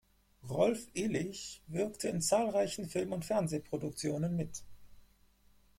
Rolf Illig wirkte in zahlreichen Film- und Fernsehproduktionen mit.